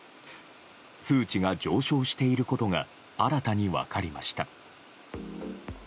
数値が上昇していることが新たに分かりました。